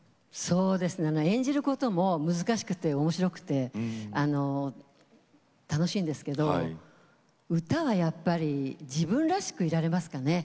そうですね演じることも難しくておもしろくて楽しいんですけど歌はやっぱり自分らしくいられますかね。